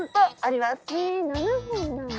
へえ７本なんだ。